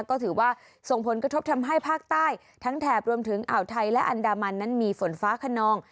ก็ถือว่าส่งผลกระทบทำให้ภาคใต้ทั้งแถบรวมถึงอ่าวไทยและอันดามันนั้นมีฝนฟ้าขนอง